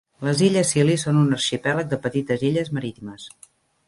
Les illes Scilly són un arxipèlag de petites illes marítimes.